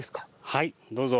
はいどうぞ。